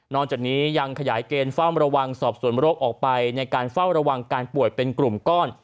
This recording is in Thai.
จากนี้ยังขยายเกณฑ์เฝ้าระวังสอบส่วนโรคออกไปในการเฝ้าระวังการป่วยเป็นกลุ่มก้อน